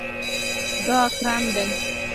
دا ګرم دی